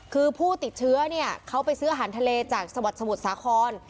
คือผู้ติดเชื้อเขาไปซื้ออาหารทะเลจากสวรรค์สมุทรสาคร